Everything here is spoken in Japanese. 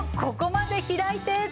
ここまで開いて。